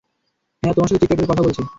হ্যাঁ, তোমার সাথে চিৎকার করে কথা বলছি!